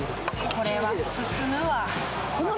これは進むわ。